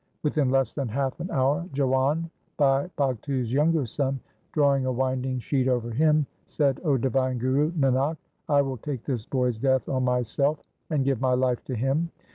Within less than half an hour Jiwan, Bhai Bhagtu's younger son, drawing a winding sheet over him, said, ' 0 divine Guru Nanak, I will take this boy's death on myself, and give my life to him.'